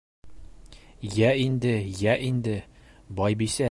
—Йә инде, йә инде, Байбисә ни әйтер инде!